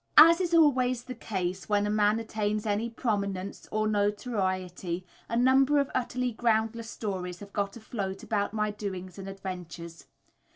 As is always the case when a man attains any prominence or notoriety, a number of utterly groundless stories have got afloat about my doings and adventures.